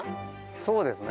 そうですね。